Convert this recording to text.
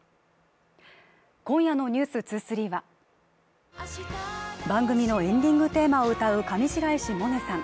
今夜の「ｎｅｗｓ２３」は番組のエンディングテーマを歌う上白石萌音さん